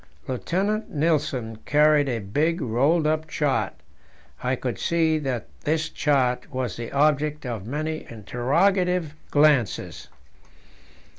Lieutenant Nilsen carried a big rolled up chart; I could see that this chart was the object of many interrogative glances.